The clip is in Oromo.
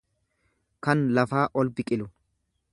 kan lafaa ol biqilu.